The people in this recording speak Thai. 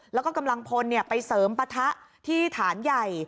แล้วก็กำลังพลไปเสริมปะทะที่ฐานใหญ่